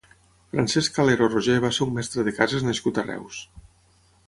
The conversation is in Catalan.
Francesc Calero Roger va ser un mestre de cases nascut a Reus.